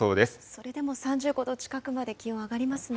それでも３５度近くまで気温上がりますね。